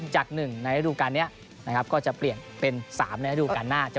จาก๑ในฤดูการนี้นะครับก็จะเปลี่ยนเป็น๓ในระดูการหน้า